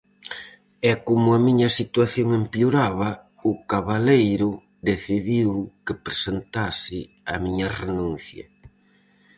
E como a miña situación empeoraba, o Cabaleiro decidiu que presentase a miña renuncia.